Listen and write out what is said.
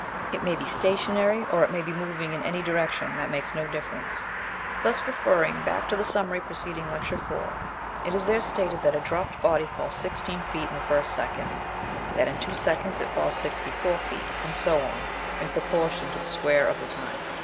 It may be stationary, or it may be moving in any direction; that makes no difference. Thus, referring back to the summary preceding Lecture IV, it is there stated that a dropped body falls 16 feet in the first second, that in two seconds it falls 64 feet, and so on, in proportion to the square of the time.